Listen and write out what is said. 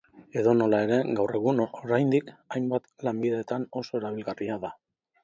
Edonola ere, gaur egun, oraindik, hainbat lanbidetan oso erabilgarria da.